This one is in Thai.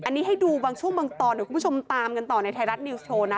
อันนี้ให้ดูบางช่วงบางตอนเดี๋ยวคุณผู้ชมตามกันต่อในไทยรัฐนิวส์โชว์นะ